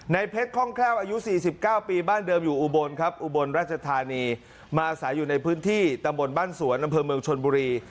เพชรคล่องแคล่วอายุ๔๙ปีบ้านเดิมอยู่อุบลครับอุบลราชธานีมาอาศัยอยู่ในพื้นที่ตำบลบ้านสวนอำเภอเมืองชนบุรี